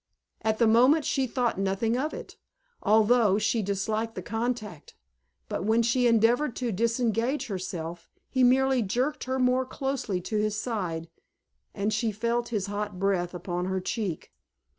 At the moment she thought nothing of it, although she disliked the contact, but when she endeavored to disengage herself, he merely jerked her more closely to his side and she felt his hot breath upon her cheek.